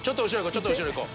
ちょっと後ろいこう。